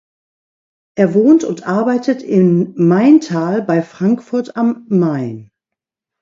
Er wohnt und arbeitet in Maintal bei Frankfurt am Main.